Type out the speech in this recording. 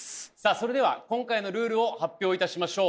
それでは今回のルールを発表いたしましょう